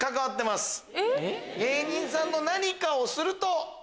芸人さんの何かをすると。